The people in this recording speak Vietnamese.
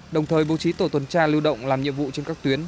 đồng thời bố trí tổ tuần tra lưu động làm nhiệm vụ trên các tuyến